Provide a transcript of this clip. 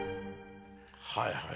はいはい。